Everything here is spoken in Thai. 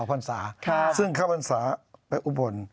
ออกภรรษาซึ่งข้าภรรษาไปอุบล